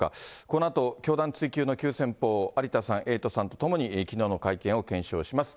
このあと、教団追及の急先ぽう、有田さん、エイトさんと共にきのうの会見を検証します。